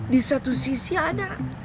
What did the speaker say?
di satu sisi ana